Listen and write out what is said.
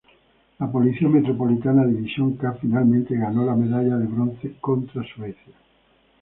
La Policía Metropolitana División "K" finalmente ganó la medalla de bronce contra Suecia.